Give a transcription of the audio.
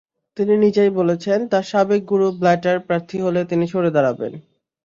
তিনি নিজেই বলেছেন, তাঁর সাবেক গুরু ব্ল্যাটার প্রার্থী হলে তিনি সরে দাঁড়াবেন।